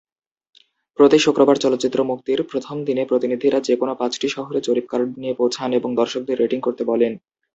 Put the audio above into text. প্রতি শুক্রবার চলচ্চিত্র মুক্তির প্রথম দিনে প্রতিনিধিরা যে কোন পাঁচটি শহরে জরিপ কার্ড নিয়ে পৌঁছান এবং দর্শকদের রেটিং করতে বলেন।